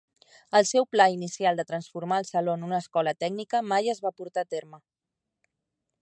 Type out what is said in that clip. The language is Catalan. El seu pla inicial de transformar el saló en una escola tècnica mai es va portar a terme.